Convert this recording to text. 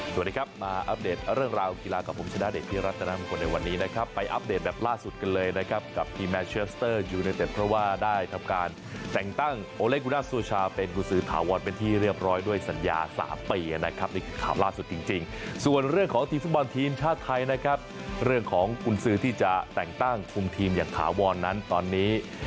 สวัสดีครับมาอัปเดตเรื่องราวกีฬากับผมชะด้าเดชที่รัฐนำคนในวันนี้นะครับไปอัปเดตแบบล่าสุดกันเลยนะครับกับทีแมทเชียสเตอร์ยูเนเต็ดเพราะว่าได้ทำการแต่งตั้งโอเลคุณาซูชาเป็นกุญสือขาวอนเป็นที่เรียบร้อยด้วยสัญญาสามปีนะครับนี่คือขาวล่าสุดจริงจริงส่วนเรื่องของทีมสุดบอลทีมชาติไท